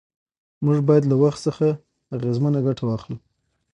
موږ باید له وخت څخه اغېزمنه ګټه واخلو